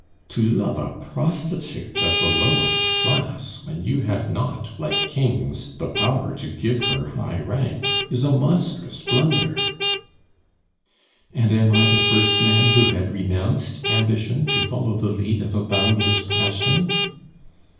To love a prostitute of the lowest class when you have not, like kings, the power to give her high rank, is a monstrous blunder." "And am I the first man who had renounced ambition to follow the lead of a boundless passion?"